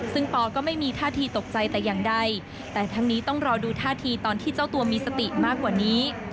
ซึ่งปอก็ไม่มีท่าทีตกใจแต่อย่างใดแต่ทั้งนี้ต้องรอดูท่าทีตอนที่เจ้าตัวมีสติมากกว่านี้